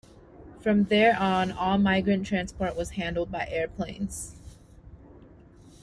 From there on all migrant transport was handled by airplanes.